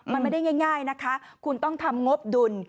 มันไม่ได้ง่ายนะคะคุณต้องทำงบดุล